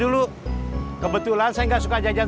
masa berapa ntar hari urus